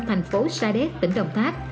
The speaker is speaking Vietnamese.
thành phố sa đéc tỉnh đồng tháp